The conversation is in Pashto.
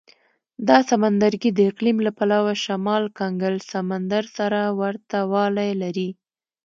دا سمندرګي د اقلیم له پلوه شمال کنګل سمندر سره ورته والی لري.